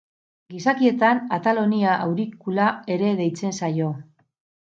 Gizakietan atal honi aurikula ere deitzen zaio.